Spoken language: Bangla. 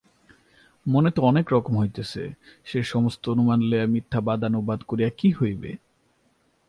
মনে তো অনেক রকম হইতেছে, সে-সমস্ত অনুমান লইয়া মিথ্যা বাদানুবাদ করিয়া কী হইবে?